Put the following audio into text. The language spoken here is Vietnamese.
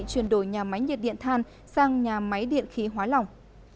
chuyển đổi nhà máy nhiệt điện than sang nhà máy điện khí hóa lỏng